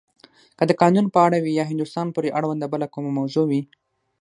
که د قانون په اړه وی یا هندوستان پورې اړونده بله کومه موضوع وی.